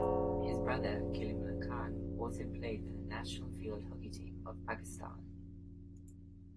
His brother Kaleemullah Khan also played for the national field hockey team of Pakistan.